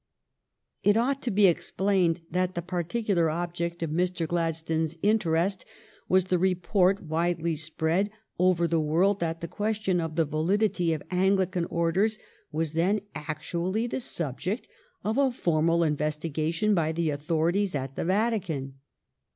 It ought to be explained that the particular object of Mr. Gladstones interest was the re port, widely spread over the world, that the ques tion of the validity of Anglican orders was then actually the subject of a formal investigation by the authorities at the Vatican.